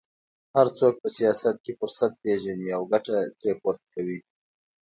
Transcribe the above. هر څوک په سیاست کې فرصت پېژني او ګټه ترې پورته کوي